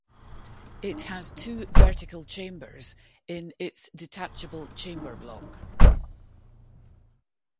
It has two vertical chambers in its detachable chamber block.